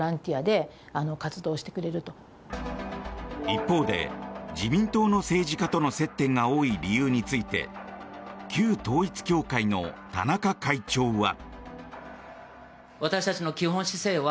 一方で、自民党の政治家との接点が多い理由について旧統一教会の田中会長は。